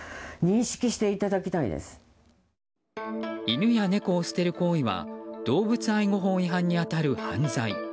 犬や猫を捨てる行為は動物愛護法違反に当たる犯罪。